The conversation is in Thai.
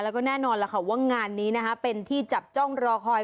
แล้วก็แน่นอนแหละว่างานนี้เป็นที่จับจ้องรอคอย